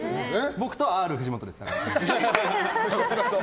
僕とＲ藤本ですから。